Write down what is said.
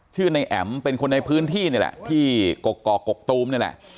ชื่อในแอ๋มเป็นคนในพื้นที่นี่แหละที่กกอกกกตูมนี่แหละ